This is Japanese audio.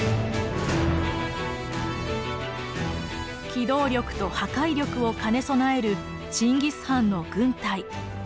機動力と破壊力を兼ね備えるチンギス・ハンの軍隊。